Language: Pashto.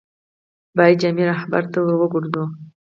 باید جامع رهبرد ته ور وګرځو.